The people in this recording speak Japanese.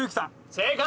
正解！